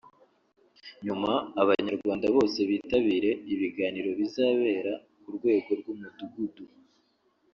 nyuma Abanyarwanda bose bitabire ibiganiro bizabera ku rwego rw’umudugudu